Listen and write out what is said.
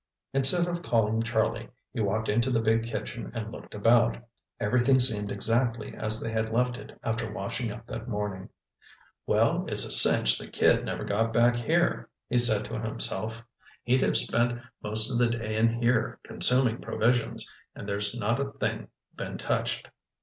Instead of calling Charlie, he walked into the big kitchen and looked about. Everything seemed exactly as they had left it after washing up that morning. "Well, it's a cinch the kid never got back here," he said to himself. "He'd have spent most of the day in here, consuming provisions, and there's not a thing been touched.